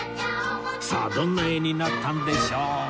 さあどんな絵になったんでしょう？